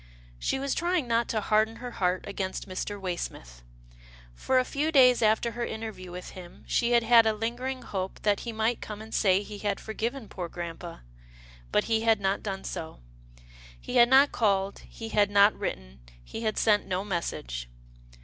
She was trying not to harden her heart against Mr. Waysmith. For a few days after her interview with him she had had a lingering hope that he might come and say he had forgiven poor grampa, but he had not done so. He had not called, he had not written, he had sent no message.